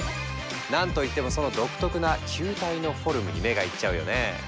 なんといってもその独特な球体のフォルムに目がいっちゃうよね。